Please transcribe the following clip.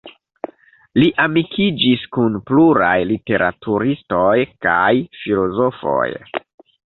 Li amikiĝis kun pluraj literaturistoj kaj filozofoj.